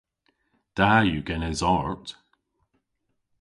Da yw genes art.